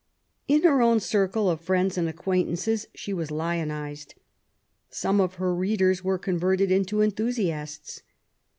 In her own circle of friends and acquaintances she was lionized. Some of her readers were converted into enthusiasts.